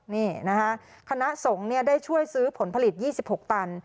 นี่นะคะคณะสงฆ์ได้ช่วยซื้อผลผลิต๒๖ตัน